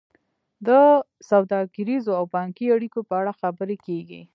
د سوداګریزو او بانکي اړیکو په اړه خبرې کیږي